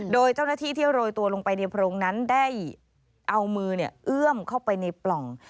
โดยเจ้าหน้าที่ที่โรยตัวลงไปในโพรงนั้นได้เอามือเอื้อมเข้าไปในปล่อง